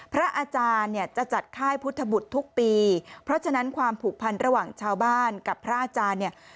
พระอาจารย์เนี่ยจะจัดค่ายพุทธบุตรทุกปีเพราะฉะนั้นความผูกพันระหว่างชาวบ้านกับพระอาจารย์เนี่ย